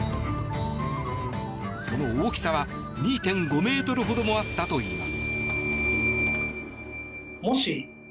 その大きさは２．５ｍほどもあったといいます。